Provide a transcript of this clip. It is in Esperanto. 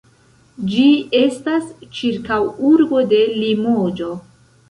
Ĝi estas ĉirkaŭurbo de Limoĝo.